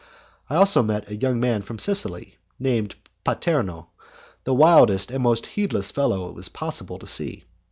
I also met a young man from Sicily, named Paterno, the wildest and most heedless fellow it was possible to see.